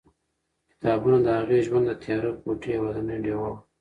کتابونه د هغې د ژوند د تیاره کوټې یوازینۍ ډېوه وه.